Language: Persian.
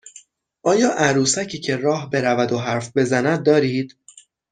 آیا عروسکی که راه برود و حرف بزند دارید؟